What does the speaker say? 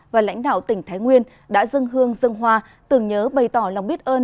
và lãnh đạo tỉnh thái nguyên đã dân hương dân hòa từng nhớ bày tỏ lòng biết ơn